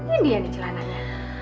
ini dia nih celananya